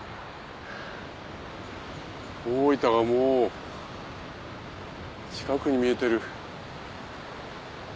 大分がもう近くに見えてる。